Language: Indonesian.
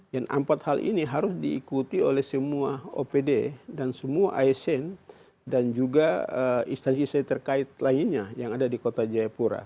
yang empat hal ini harus diikuti oleh semua opd dan semua asn dan juga instansi instansi terkait lainnya yang ada di kota jayapura